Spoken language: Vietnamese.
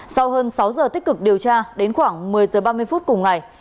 sau hơn sáu giờ tích cực điều tra đến khoảng một mươi giờ ba mươi phút cùng ngày